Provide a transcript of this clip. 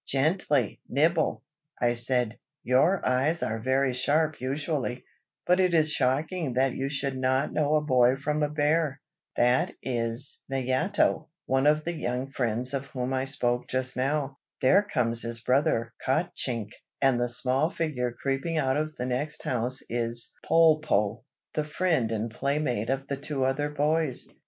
"Gently, Nibble!" I said, "your eyes are very sharp usually, but it is shocking that you should not know a boy from a bear. That is Nayato, one of the young friends of whom I spoke just now. There comes his brother Kotchink, and the small figure creeping out of the next house is Polpo, the friend and playmate of the two other boys.